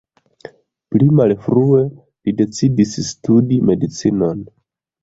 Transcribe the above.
Pli malfrue li decidis studi medicinon.